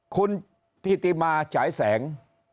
คุณธิติมาฉายแสง